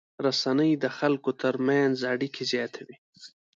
رسنۍ د خلکو تر منځ اړیکې زیاتوي.